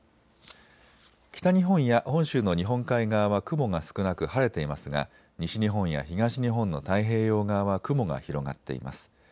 北日本や本州の日本海側は雲が少なく晴れていますが西日本や東日本の太平洋側は雲が広がっています。